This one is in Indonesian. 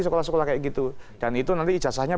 sekolah sekolah kayak gitu dan itu nanti ijazahnya